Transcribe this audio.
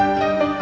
ate bisa menikah